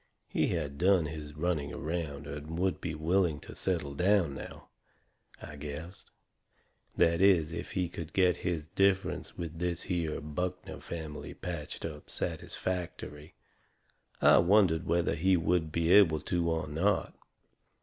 He had done his running around and would be willing to settle down now, I guessed. That is, if he could get his differences with this here Buckner family patched up satisfactory. I wondered whether he would be able to or not.